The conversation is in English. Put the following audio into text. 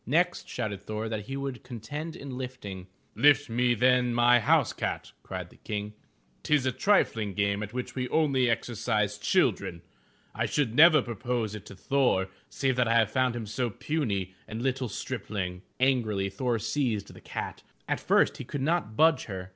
Next shouted Thor that he would contend in lifting. "Lift me then my house cat,'* cried the King. " 'Tis a triflng game at which we only exercise children. I should never propose it to Thor save that I have found him so puny a little stripling." Angrily, Thor seized the cat. At first he could not budge her.